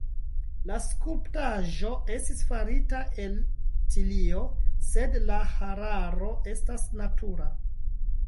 La skulptaĵo estis farita el tilio, sed la hararo estas natura.